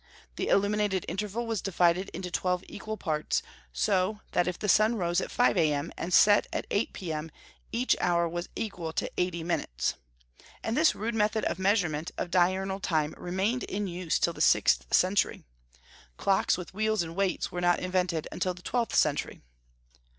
The illuminated interval was divided into twelve equal parts; so that if the sun rose at five A.M., and set at eight P.M., each hour was equal to eighty minutes. And this rude method of measurement of diurnal time remained in use till the sixth century. Clocks, with wheels and weights, were not invented till the twelfth century.